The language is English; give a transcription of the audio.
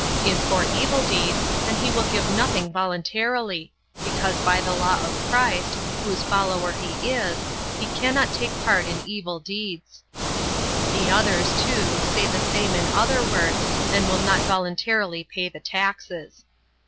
If for evil deeds, then he will give nothing voluntarily, because by the law of Christ, whose follower he is, he cannot take part in evil deeds." The others, too, say the same in other words, and will not voluntarily pay the taxes.